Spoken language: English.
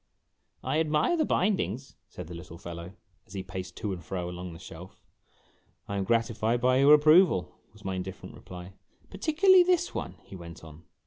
A LOST OPPORTUNITY 77 " I admire the bindings," said the little fellow, as he paced to and fro along the shelf. o " I am gratified by your approval," was my indifferent reply. " Particularly this one," he went on.